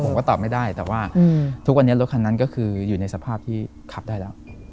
ผมก็ตอบไม่ได้แต่ว่าทุกวันนี้รถคันนั้นก็คืออยู่ในสภาพที่ขับได้แล้ว